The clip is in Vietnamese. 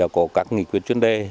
đã có các nghị quyết chuyên đề